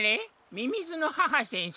みみずの母先生？